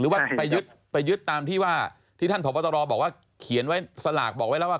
ว่าไปยึดตามที่ว่าที่ท่านผอบตรบอกว่าเขียนไว้สลากบอกไว้แล้วว่า